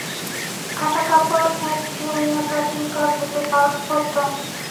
কাটা কাপড় এক ইরানীরা প্রাচীনকাল হতে পরত।